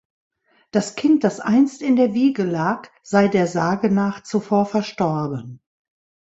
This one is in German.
Das Kind, das einst in der Wiege lag, sei der Sage nach zuvor verstorben.